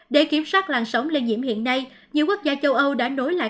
để kiểm soát làn sóng lây nhiễm hiện nay nhiều quốc gia châu âu đã nối lại